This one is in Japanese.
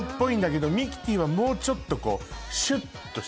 ミキティはもうちょっと。